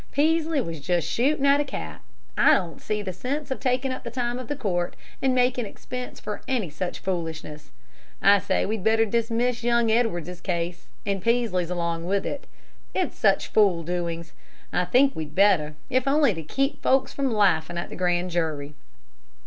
Peaslee was just shooting at a cat. I don't see the sense of taking up the time of the court and makin' expense for any such foolishness. I say we'd better dismiss young Edwards's case, and Peaslee's along with it. It's such fool doings, I think we'd better, if only to keep folks from laughing at the grand jury."